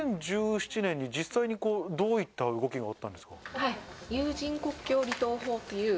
２０１７年に実際にどういった動きがあったんですか？